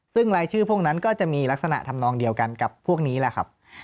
ซึ่งรายชื่อพวกนั้นก็จะมีลักษณะทำนองเดียวกันกับพวกนี้แหละครับ